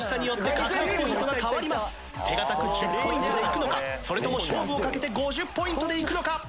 手堅く１０ポイントでいくのかそれとも勝負をかけて５０ポイントでいくのか。